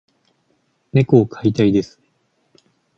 猫を飼いたいです。